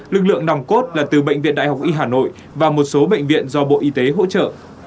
lực lượng nòng cốt là từ bệnh viện đại học y hà nội và một số bệnh viện do bộ y tế hỗ trợ